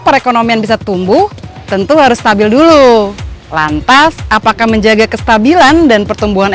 perekonomian bisa tumbuh tentu harus stabil dulu lantas apakah menjaga kestabilan dan pertumbuhan